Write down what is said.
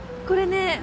これね